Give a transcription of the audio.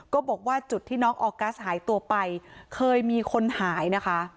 บอกว่าจุดที่น้องออกัสหายตัวไปเคยมีคนหายนะคะ